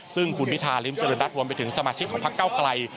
ซึ่งคุณพิธาริมเจริญรัฐรวมไปถึงสมาชิกของพักเก้าไกล